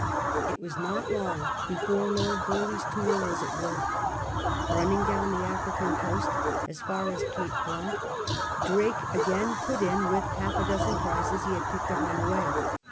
It was not long before Lord Burleigh's tool was at work Bunning down the African coast as far as Cape ,y 64 SIi: FRANCIS DRAKE chap. Blanc, Drake again put in with balf a dozen prizes he had picked up on the way.